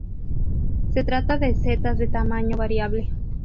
Se trata de setas de tamaño variable.